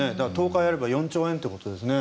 １０日やれば４兆円ということですね。